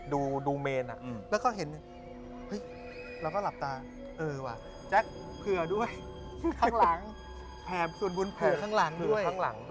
แผ่มส่วนบุญภูมิข้างหลังด้วย